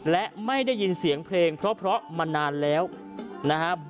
และไม่ได้ยินเสียงเพลงเพราะมานานแล้วนะครับ